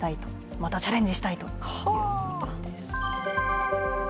またチャレンジしたいということです。